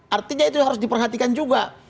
artinya itu harus diperhatikan juga